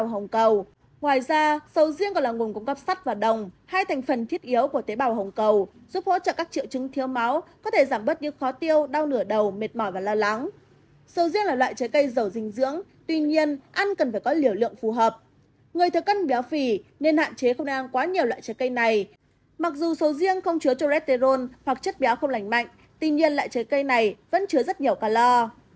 hoặc chất béo không lành mạnh tình nhiên loại trái cây này vẫn chứa rất nhiều calor